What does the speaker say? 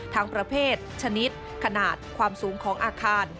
ประเภทชนิดขนาดความสูงของอาคาร